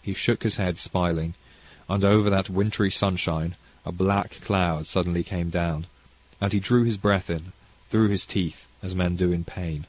He shook his head smiling, and over that wintry sunshine a black cloud suddenly came down, and he drew his breath in, through his teeth as men do in pain.